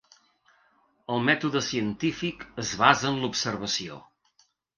El mètode científic es basa en l'observació.